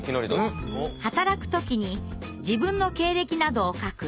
働く時に自分の経歴などを書く履歴書。